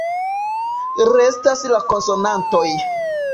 Restas la konsonantoj.